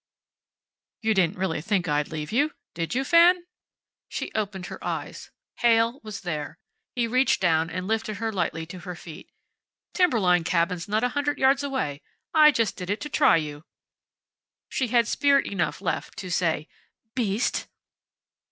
"You didn't really think I'd leave you, did you, Fan?" She opened her eyes. Heyl was there. He reached down, and lifted her lightly to her feet. "Timberline Cabin's not a hundred yards away. I just did it to try you." She had spirit enough left to say, "Beast."